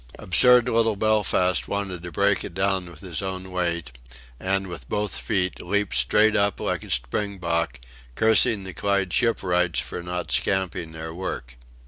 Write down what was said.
Absurd little Belfast wanted to break it down with his own weight, and with both feet leaped straight up like a springbok, cursing the Clyde shipwrights for not scamping their work.